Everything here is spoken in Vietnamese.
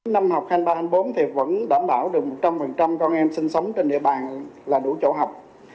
năm học hai nghìn hai mươi ba hai nghìn hai mươi bốn vẫn đảm bảo được một trăm linh con em sinh sống trên địa bàn là đủ chỗ học